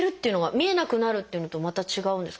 「見えなくなる」っていうのとまた違うんですか？